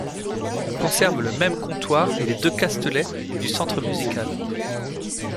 On conserve le même comptoir et les deux castelets du Centre Musical.